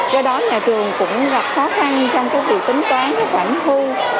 do đó nhà trường cũng gặp khó khăn trong việc tính toán khoản thu